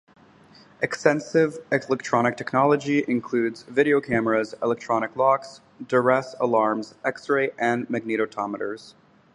Extensive electronic technology includes video cameras, electronic locks, duress alarms, X-ray, and magnetometers.